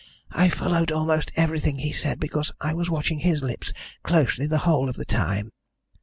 I followed almost everything he said because I was watching his lips closely the whole of the time."